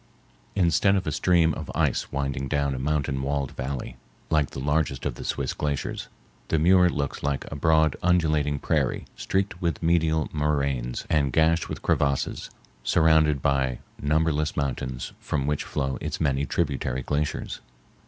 Instead of a stream of ice winding down a mountain walled valley like the largest of the Swiss glaciers, the Muir looks like a broad undulating prairie streaked with medial moraines and gashed with crevasses, surrounded by numberless mountains from which flow its many tributary glaciers.